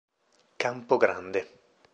Campo Grande